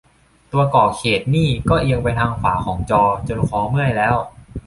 ตัวก่อเขตนี่ก็เอียงไปทางขวาของจอจนคอเมื่อยแล้ว